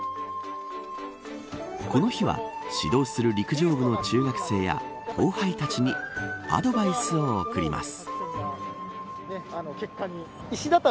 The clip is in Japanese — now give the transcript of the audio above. この日は指導する陸上部の中学生や後輩たちにアドバイスを送ります。